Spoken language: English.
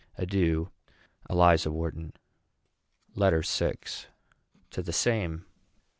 Adieu. ELIZA WHARTON. LETTER VI. TO THE SAME.